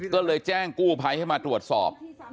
ก็เลยแจ้งกู้ภัยให้มาตรวจสอบ